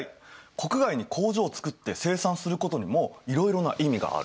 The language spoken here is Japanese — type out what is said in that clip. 国外に工場を作って生産することにもいろいろな意味がある。